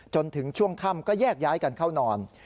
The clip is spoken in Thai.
จนถึงช่วงค่ำก็แยกย้ายกันเข้านอน